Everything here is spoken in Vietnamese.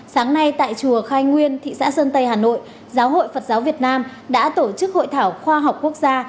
sáng nay tại chùa khai nguyên thị xã sơn tây hà nội giáo hội phật giáo việt nam đã tổ chức hội thảo khoa học quốc gia